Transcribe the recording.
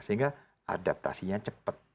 sehingga adaptasinya cepat gitu